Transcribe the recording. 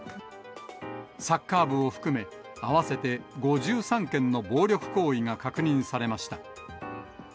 サッカー部を含め、合わせて５３件の暴力行為が確認されました。